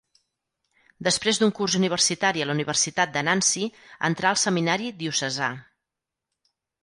Després d'un curs universitari a la Universitat de Nancy entrà al seminari diocesà.